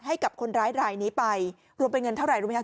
ให้กับคนร้ายรายนี้ไปรวมเป็นเงินเท่าไหร่รู้ไหมครับ